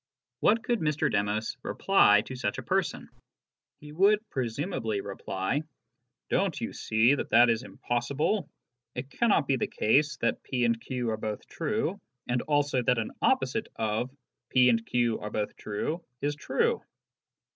What could Mr. Demos reply to such a person ? He would presumably reply ;" Don't you see that that is impossible ? It cannot be the case that p and q are both true, and also that an opposite of 'p and q are both true ' is true."